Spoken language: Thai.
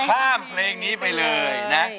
ข้ามเพลงนี้ไปเลยนะ